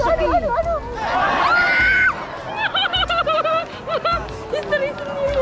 istri istri ini ya allah